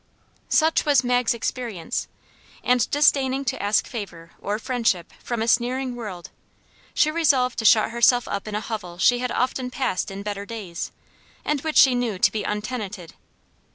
Such was Mag's experience; and disdaining to ask favor or friendship from a sneering world, she resolved to shut herself up in a hovel she had often passed in better days, and which she knew to be untenanted.